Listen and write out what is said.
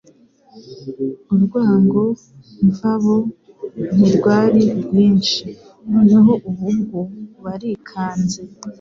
Urwango mvabo ntirwari rwinshi, noneho ubu bwo barikanze.